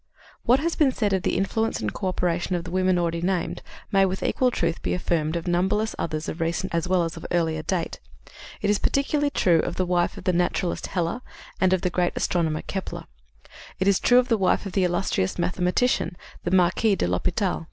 " What has been said of the influence and coöperation of the women already named may, with equal truth, be affirmed of numberless others of recent as well as of earlier date. It is particularly true of the wife of the naturalist Heller and of the great astronomer, Kepler. It is true of the wife of the illustrious mathematician, the Marquis de l'Hôpital.